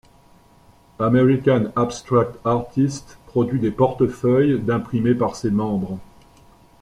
American Abstract Artist produit des portefeuilles d'imprimés par ses membres.